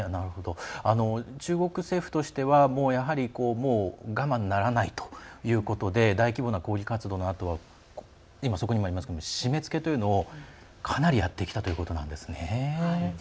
中国政府としてはもうやはり我慢ならないということで大規模な抗議活動のあとは締めつけというのを、かなりやってきたということなんですね。